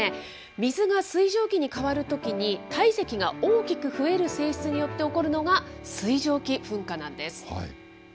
水が水蒸気に変わるときに、体積が大きく増える性質によって起こるのが、水蒸気噴火なんです。